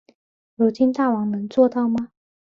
如今大王能做到吗？